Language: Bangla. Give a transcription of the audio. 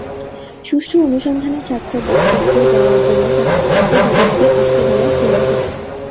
সুষ্ঠু অনুসন্ধানের স্বার্থে বক্তব্য দেওয়ার জন্য তাঁকে দুদকে আসতে বলা হয়েছে।